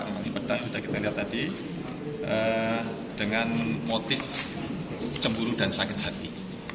memang sudah kita lihat tadi dengan motif cemburu dan sakit hati